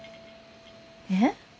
えっ？